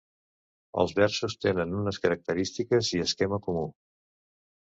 Els versos tenen unes característiques i esquema comú.